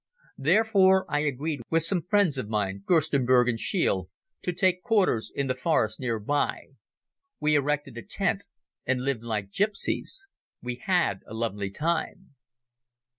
Therefore, I agreed with some friends of mine, Gerstenberg and Scheele, to take quarters in the forest near by. We erected a tent and lived like gypsies. We had a lovely time.